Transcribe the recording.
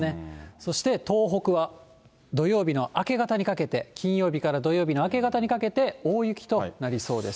そして東北は、土曜日の明け方にかけて、金曜日から土曜日の明け方にかけて、大雪となりそうです。